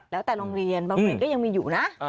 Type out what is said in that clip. แล้วแต่โรงเรียนบางโรงเรียนก็ยังมีอยู่นะ